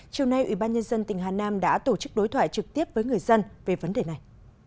chiều nay ủy ban nhân dân tỉnh hà nam đã tổ chức đối thoại trực tiếp với người dân về vấn đề này